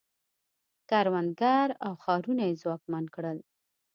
کروندګر او ښارونه یې ځواکمن کړل